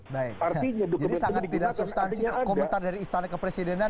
baik jadi sangat tidak substansi komentar dari istana kepresidenan